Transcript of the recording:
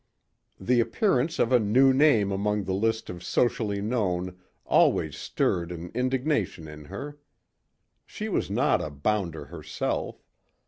The appearance of a new name among the list of socially known always stirred an indignation in her. She was not a bounder herself.